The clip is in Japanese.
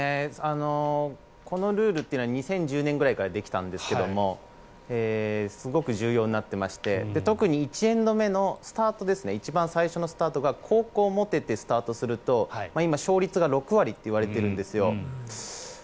このルールというのは２０１０年ぐらいからできたんですけどすごく重要になってまして特に１エンド目のスタートですね一番最初のスタートが後攻を持ててスタートすると今、勝率が６割といわれているんですよ。